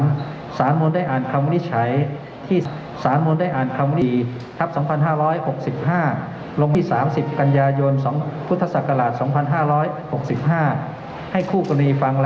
ที่สารมนตร์ได้อ่านคำวินิจฉัยที่สารมนตร์ได้อ่านคำวินิจฉัยที่สารมนตร์ได้อ่านคำวินิจฉัยที่สารมนตร์